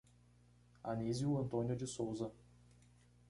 Anizio Antônio de Souza